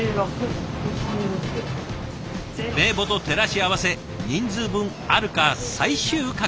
名簿と照らし合わせ人数分あるか最終確認。